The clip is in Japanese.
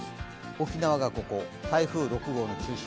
沖縄がここ、台風６号の中心。